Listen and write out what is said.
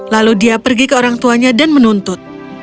lalu dia pergi ke orang tuanya dan menuntut